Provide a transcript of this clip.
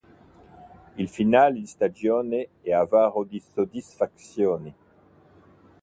Il finale di stagione è avaro di soddisfazioni.